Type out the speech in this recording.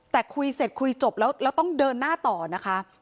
แต่คุยเสร็จคุยจบแล้วแล้วต้องเดินหน้าต่อนะคะ